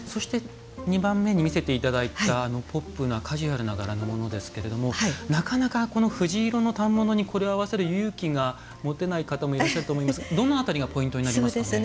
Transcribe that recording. ２番目に見せていただいたポップなカジュアルな柄のものですがなかなか、藤色の反物にこれを合わせる勇気が持てない方もいらっしゃると思いますがどの辺りがポイントになりますか。